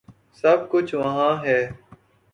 سب کچھ وہاں ہے۔